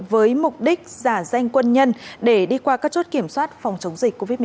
với mục đích giả danh quân nhân để đi qua các chốt kiểm soát phòng chống dịch covid một mươi chín